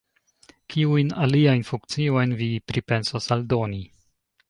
Kiujn aliajn funkciojn vi pripensas aldoni?